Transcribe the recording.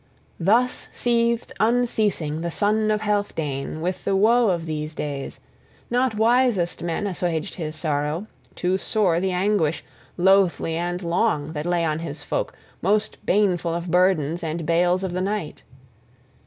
III THUS seethed unceasing the son of Healfdene with the woe of these days; not wisest men assuaged his sorrow; too sore the anguish, loathly and long, that lay on his folk, most baneful of burdens and bales of the night.